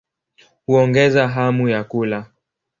Huongeza hamu ya kula.